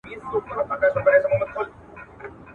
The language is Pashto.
دا زړه نه دی په کوګل کي مي سور اور دی.